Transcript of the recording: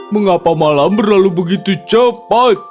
mengapa malam berlalu begitu cepat